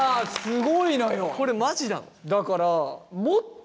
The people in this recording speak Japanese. これマジなん？